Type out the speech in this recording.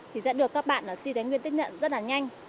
thì sẽ được các bạn ở si thái nguyên tiếp nhận rất là nhanh